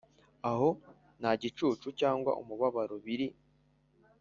aho nta gicucu cyangwa umubabaro biri;